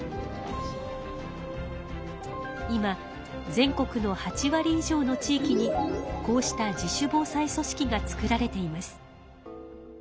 今全国の８わり以上の地域にこうした自主防災組織が作られています。